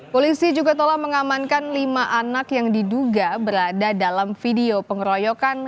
polisi juga telah mengamankan lima anak yang diduga berada dalam video pengeroyokan